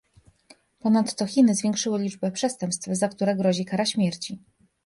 Ponadto Chiny zwiększyły liczbę przestępstw, za które grozi kara śmierci